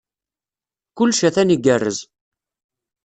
Kullec atan igerrez.